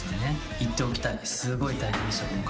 言っておきたい、すごい大変でした、今回。